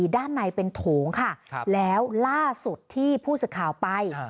ด้านในเป็นโถงค่ะแล้วล่าสุดที่ผู้สื่อข่าวไป